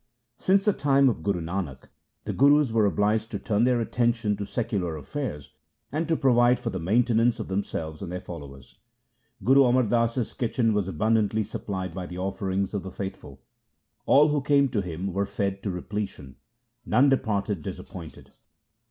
Since the time of Guru Nanak the Gurus were obliged to turn their attention to secular affairs, and to provide for the maintenance of themselves and their followers. Guru Amar Das's kitchen was abundantly supplied by the offerings of the faithful. All who came to visit him were fed to repletion. None departed disappointed.